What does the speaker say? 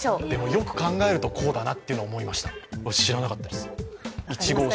よく考えるとこうだなと思うのはありました、知らなかったです。